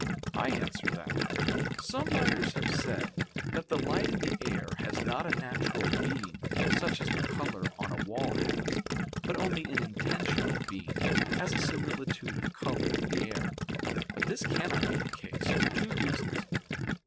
I answer that, Some writers have said that the light in the air has not a natural being such as the color on a wall has, but only an intentional being, as a similitude of color in the air. But this cannot be the case for two reasons.